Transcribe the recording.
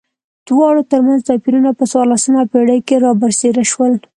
دواړو ترمنځ توپیرونه په څوارلسمه پېړۍ کې را برسېره شول.